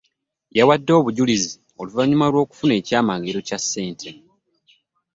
Yawadde obujulizi oluvanyuma lwo kufuna ekyamagero kya ssente.